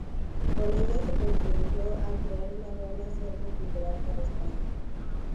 Con ello se contribuyó a crear un gran acervo cultural para España.